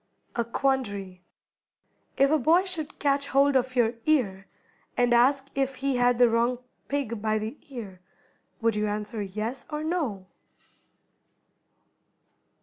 A QUANDARY. If a boy should catch hold of your ear, and ask if he had the wrong pig by the ear, would you answer yes or no?